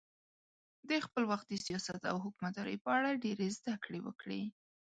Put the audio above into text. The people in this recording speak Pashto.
د خپل وخت د سیاست او حکومتدارۍ په اړه ډېرې زده کړې وکړې.